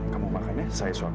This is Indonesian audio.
kamu makan ya saya suap